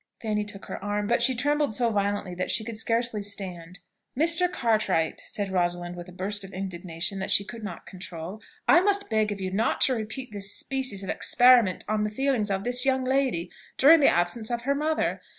Fanny took her arm; but she trembled so violently that she could scarcely stand. "Mr. Cartwright," said Rosalind with a burst of indignation that she could not control, "I must beg of you not to repeat this species of experiment on the feelings of this young lady during the absence of her mother.